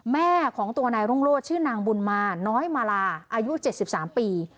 แม่ของตัวนายรุ่งโรศชื่อนางบุญมาน้อยมาลาอายุ๗๓ปี